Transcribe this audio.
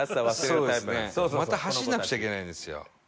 「また走んなくちゃいけないんですよ」